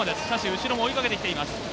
後ろも追いかけてきています。